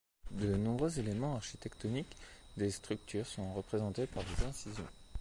De nombreux éléments architectoniques des structures sont représentés par des incisions.